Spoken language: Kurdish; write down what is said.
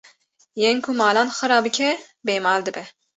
Yên ku malan xera bike bê mal dibe